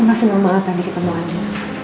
mama senang banget tadi ketemu anu